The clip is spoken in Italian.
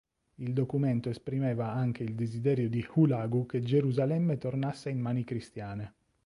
Il documento esprimeva anche il desiderio di Hulagu che Gerusalemme tornasse in mani cristiane.